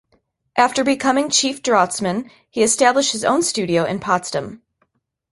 After becoming chief draughtsman, he established his own studio in Potsdam.